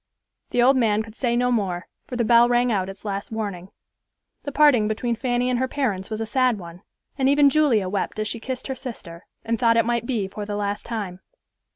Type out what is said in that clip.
The old man could say no more, for the bell rang out its last warning. The parting between Fanny and her parents was a sad one, and even Julia wept as she kissed her sister, and thought it might be for the last time.